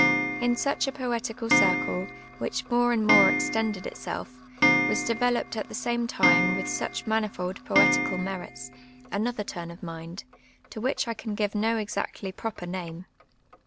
In such a i)oetical circle, which more and more extended itself, Mas developed at the same time with such manifold poetical merits, another turn of mind, to which I can give no exactly proper name.